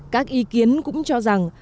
các ý kiến cũng cho rằng